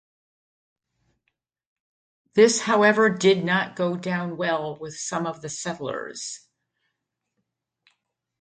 This however did not go down well with some of the settlers.